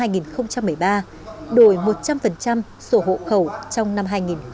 năm hai nghìn một mươi ba đổi một trăm linh sổ hộ khẩu trong năm hai nghìn một mươi bốn